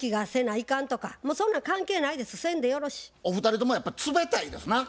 お二人ともやっぱ冷たいですな。